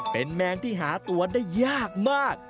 เป็นแมงที่หาตัวได้ยากมาก